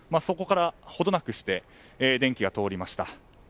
そこからほどなくして電気が通りました。